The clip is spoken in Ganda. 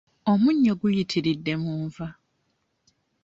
Omunnyo guyitiridde mu nva.